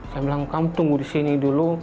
saya bilang kamu tunggu di sini dulu